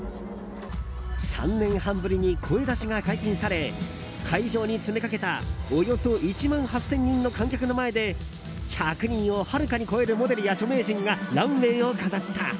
３年半ぶりに声出しが解禁され会場に詰めかけたおよそ１万８０００人の観客の前で１００人をはるかに超えるモデルや著名人がランウェーを飾った。